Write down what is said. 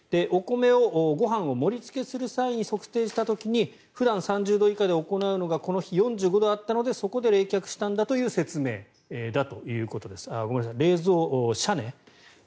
ご飯を盛りつけする際に測定した時に普段３０度以下で行うのがこの日４５度あったのでそこで冷却したんだという説明だということです。